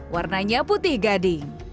warnanya putih gading